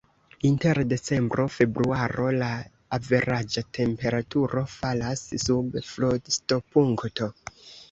Inter decembro-februaro la averaĝa temperaturo falas sub frostopunkto.